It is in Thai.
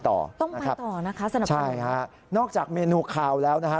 ต้องไปต่อนะคะสนับสรรพาย้าใช่ค่ะนอกจากเมนูขาวแล้วนะฮะ